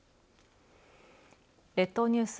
列島ニュース